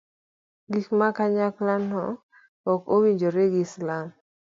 gik ma kanyakla no ok owinjre gi islam